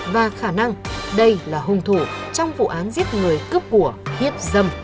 và khả năng đây là hùng thủ trong vụ án giết người cướp của hiết dâm